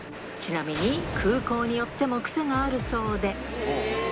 ちなみに空港によっても癖があるそうで。